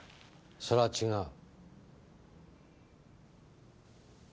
それは違う。